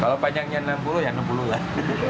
kalau panjangnya enam puluh ya enam puluh lah